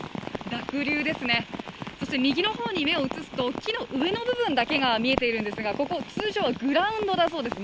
濁流ですね、そして右の方に目を移すと木の上の部分だけが見えているんですが、ここ、通常はグラウンドだそうです。